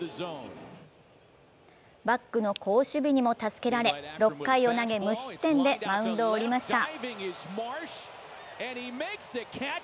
バックの好守備にも助けられ、６回を投げ無失点でマウンドを降りました。